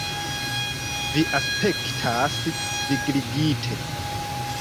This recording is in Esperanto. Vi aspektas vigligite.